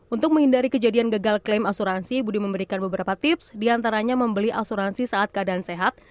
untuk menghindari kejadian gagal klaim asuransi budi memberikan beberapa tips diantaranya membeli asuransi saat keadaan sehat